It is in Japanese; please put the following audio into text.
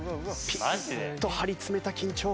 ピンと張り詰めた緊張感。